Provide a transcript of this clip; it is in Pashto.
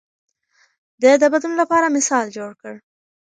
ده د بدلون لپاره مثال جوړ کړ.